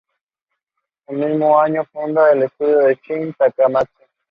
Ese mismo año funda el estudio "Shin Takamatsu".